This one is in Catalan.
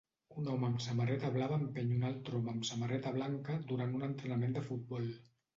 Un home amb samarreta blava empeny un altre home amb samarreta blanca durant un entrenament de futbol.